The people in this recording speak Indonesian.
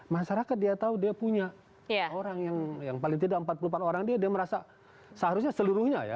masyarakat dia tahu dia punya orang yang paling tidak empat puluh empat orang dia dia merasa seharusnya seluruhnya ya